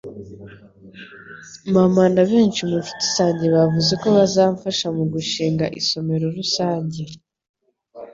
Mama na benshi mu nshuti zanjye bavuze ko bazamfasha mu gushinga isomero rusange.